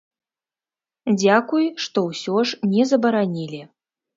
Дзякуй, што ўсё ж не забаранілі!